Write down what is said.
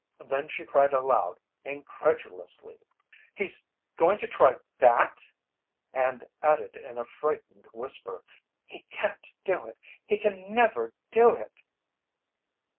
Then she cried aloud incredulously: "He's going to try that!" And added in a frightened whisper: "He can't do it! He can never do it!"